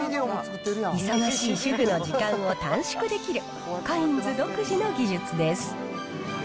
忙しい主婦の時間を短縮できる、カインズ独自の技術です。